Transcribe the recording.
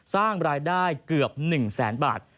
สร้างรายได้เกือบ๑แสนบาท